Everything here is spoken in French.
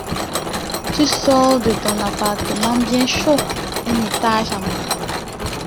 Tu sors de ton appartement bien chaud … un étage à monter …